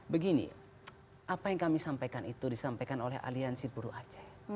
begini apa yang kami sampaikan itu disampaikan oleh aliansi buruh aceh